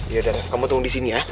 ya adah kamu tunggu di sini ya